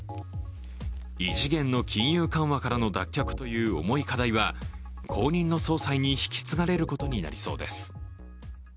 異次元の金融緩和からの脱却という重い課題は後任の総裁に引き継がれることになりそうです。